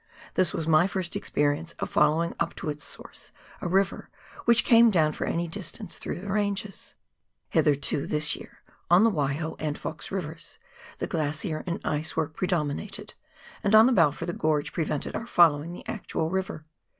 This was my first experience of following up to its source a river which came down for any distance through the ranges. Hitherto this year on the Waiho and Fox Rivers, the glacier and ice work predominated, and on the Balfour the gorge pre vented our following the actual river.